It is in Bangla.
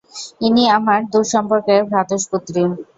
ইনি আমার দূরসম্পর্কের ভ্রাতুষ্পুত্রী।